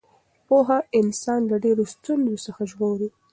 پوهه انسان له ډېرو ستونزو څخه ژغوري.